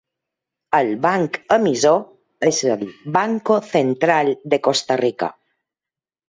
El banc emissor és el Banco Central de Costa Rica.